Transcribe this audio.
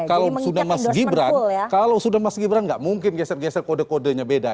kalau sudah mas gibran kalau sudah mas gibran nggak mungkin geser geser kode kodenya beda